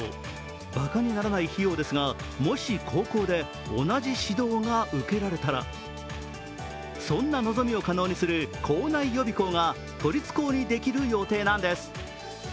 ばかにならない費用ですがもし高校で同じ指導が受けられたらそんな望みを可能にする校内予備校が都立高にできる予定なんです。